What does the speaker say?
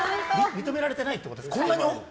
認められてないってことですかね。